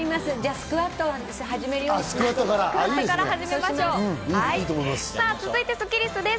スクワットを始めるようにします。